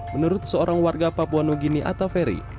menurut seorang warga papua nugini atau feri